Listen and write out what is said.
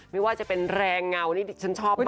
ไม่ว่าจะเป็นแรงเงานี่ดิฉันชอบมาก